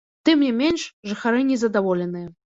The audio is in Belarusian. Тым не менш, жыхары незадаволеныя.